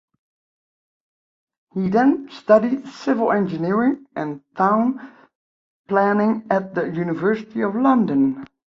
He then studied civil engineering and town planning at the University of London.